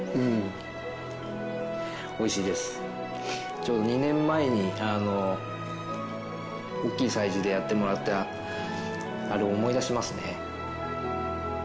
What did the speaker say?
ちょうど２年前に大きい催事でやってもらったあれを思い出しますね。